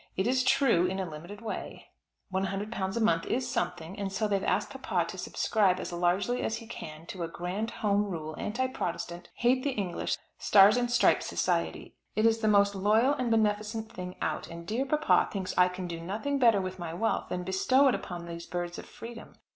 It is true, in a limited way. £100 a month is something, and so they've asked papa to subscribe as largely as he can to a grand Home Rule, anti Protestant, hate the English, stars and stripes society. It is the most loyal and beneficent thing out, and dear papa thinks I can do nothing better with my wealth than bestow it upon these birds of freedom.